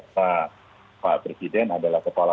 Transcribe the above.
pak presiden adalah kepala